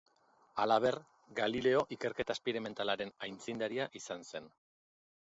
Halaber, Galileo ikerketa esperimentalaren aitzindaria izan zen.